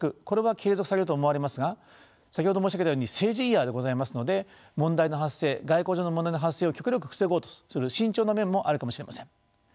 これは継続されると思われますが先ほど申し上げたように政治イヤーでございますので問題の発生外交上の問題の発生を極力防ごうとする慎重な面もあるかもしれません。